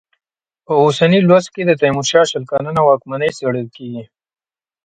په اوسني لوست کې د تېمورشاه شل کلنه واکمني څېړل کېږي.